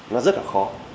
nó rất là khó